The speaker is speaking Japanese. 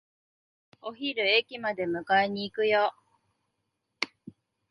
お昼、駅まで迎えに行くよ。